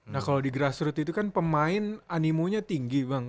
nah kalau di grassroot itu kan pemain animonya tinggi bang